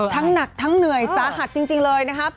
หนักทั้งเหนื่อยสาหัสจริงเลยนะครับ